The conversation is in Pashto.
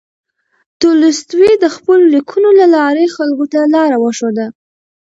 تولستوی د خپلو لیکنو له لارې خلکو ته لاره وښوده.